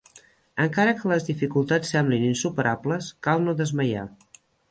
Encara que les dificultats semblin insuperables cal no desmaiar.